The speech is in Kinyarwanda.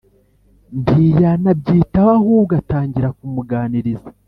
ntiyana byitaho ahubwo atangira kumuganiriza